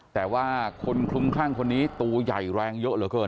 แต่ว่าคนคลุมคลั่งคนนี้ตัวใหญ่แรงเยอะเหลือเกิน